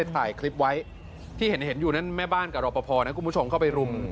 ถ่ายคลิปไว้ที่เห็นอยู่นั่นแม่บ้านกับรอปภนะคุณผู้ชมเข้าไปรุม